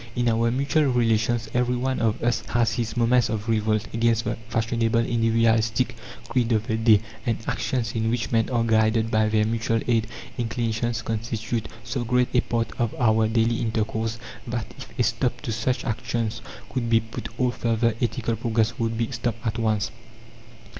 In our mutual relations every one of us has his moments of revolt against the fashionable individualistic creed of the day, and actions in which men are guided by their mutual aid inclinations constitute so great a part of our daily intercourse that if a stop to such actions could be put all further ethical progress would be stopped at once.